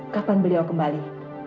kapan beliau kembali